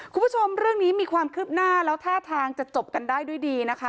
คุณผู้ชมเรื่องนี้มีความคืบหน้าแล้วท่าทางจะจบกันได้ด้วยดีนะคะ